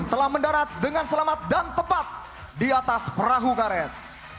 telah mendarat dengan selamat dan tepat di atas perahu karet